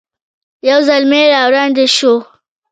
یو زلمی را وړاندې شو.